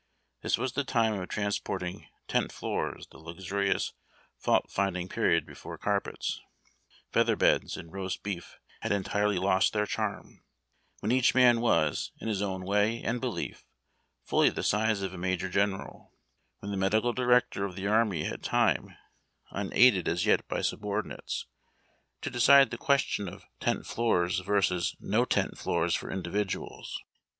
This was the time of transporting tent iioors, the luxurious fault finding period before carpets, feather beds, and roast beef had entirely lost their charm ; when each man was, in his own way and belief, fully the size of a major general ; when the medical director of the army had time, unaided as yet by subordinates, to decide the question of tent floors versus no tent floors for individuals.